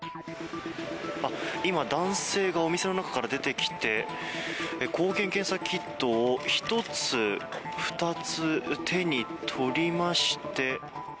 今、男性がお店の中から出てきて抗原検査キットを１つ、２つ手に取りまして。